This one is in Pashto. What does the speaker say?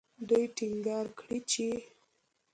دوی ټینګار کړی چې